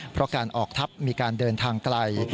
เพราะการออกทัพมีการเดินทางไกล